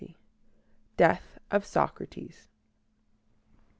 LXX. DEATH OF SOCRATES.